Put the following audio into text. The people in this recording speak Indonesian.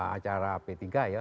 acara p tiga ya